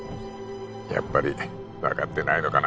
やっぱり分かってないのかな